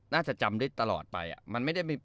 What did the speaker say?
น่าจะจำได้ตลอดไป